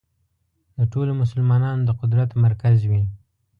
د ټولو مسلمانانو د قدرت مرکز وي.